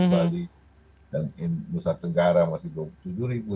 bali dan nusa tenggara masih dua puluh tujuh ribu